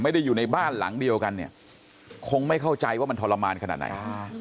อยู่ในบ้านหลังเดียวกันเนี่ยคงไม่เข้าใจว่ามันทรมานขนาดไหน